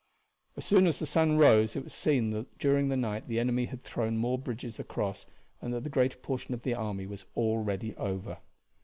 As soon as the sun rose it was seen that during the night the enemy had thrown more bridges across and that the greater portion of the army was already over.